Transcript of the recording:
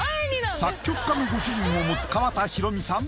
作曲家のご主人を持つ川田裕美さん